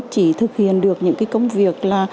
chỉ thực hiện được những công việc